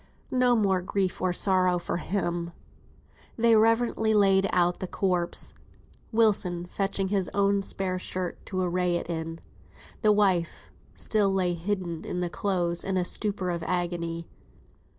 No more grief or sorrow for him. They reverently laid out the corpse Wilson fetching his only spare shirt to array it in. The wife still lay hidden in the clothes, in a stupor of agony.